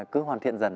cứ hoàn thiện dần